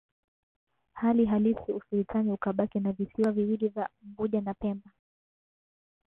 Hali halisi usultani ukabaki na visiwa viwili vya Unguja na Pemba